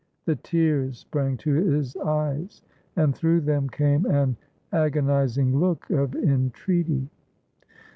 The tears sprang to his eyes, and through them came an agonizing look of entreaty.